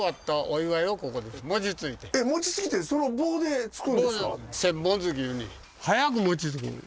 餅つきってその棒でつくんですか？